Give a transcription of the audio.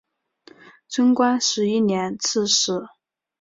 贞观十一年刺史。